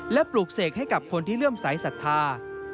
และปลูกเสกให้กับคนที่เลื่อมสายศรัทธา